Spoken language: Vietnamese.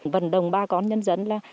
vần đồng ba con nhân dẫn là